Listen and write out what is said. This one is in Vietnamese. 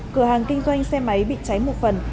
cửa hàng kinh doanh xe máy bị cháy một phần